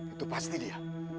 itu pasti dia